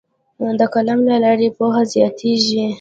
د قلم له لارې پوهه زیاتیږي.